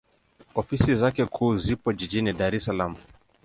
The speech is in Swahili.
Ofisi zake kuu zipo Jijini Dar es Salaam.